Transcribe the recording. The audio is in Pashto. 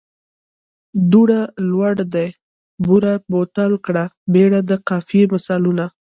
دوړه، لوړ دي، بوره، ټول کړه، ببره د قافیې مثالونه.